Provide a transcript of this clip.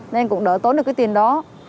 nên cũng đỡ tốn được cái tiền đó